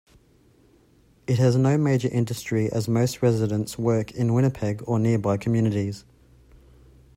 It has no major industry as most residents work in Winnipeg or nearby communities.